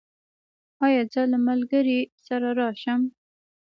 ایا زه له ملګري سره راشم؟